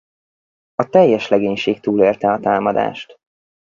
A teljes legénység túlélte a támadást.